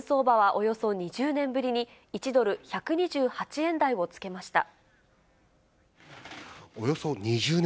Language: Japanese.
およそ２０年ぶり、１２８円台をつけました。